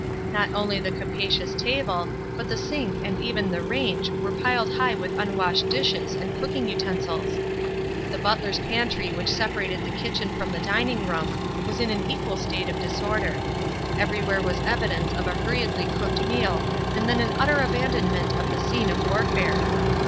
Not only the capacious table, but the sink and even the range were piled high with unwashed dishes and cooking utensils. The butler's pantry which separated the kitchen from the dining room was in an equal state of disorder ; everywhere was evidence 66 ESTER RIED'S NAMESAKE of a hurriedly cooked meal and then an utter abandonment of the scene of warfare.